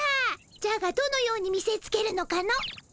じゃがどのように見せつけるのかの？